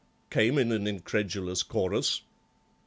came in an incredulous chorus.